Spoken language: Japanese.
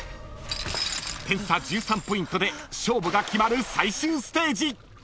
［点差１３ポイントで勝負が決まる最終ステージ］